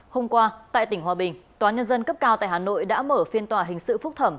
hôm qua tại tỉnh hòa bình tòa nhân dân cấp cao tại hà nội đã mở phiên tòa hình sự phúc thẩm